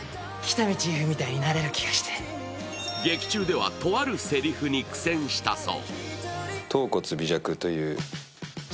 劇中ではとあるせりふに苦戦したそう。